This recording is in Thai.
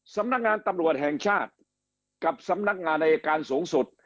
สำนักงานตำรวจแห่งชาติกับสำนักงานอายการสูงสุด